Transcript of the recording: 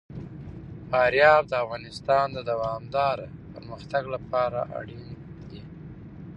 فاریاب د افغانستان د دوامداره پرمختګ لپاره اړین دي.